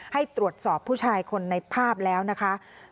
ให้ตรวจสอบผู้ชายคนในภาพแล้วนะคะ